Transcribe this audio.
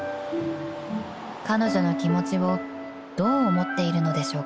［彼女の気持ちをどう思っているのでしょうか］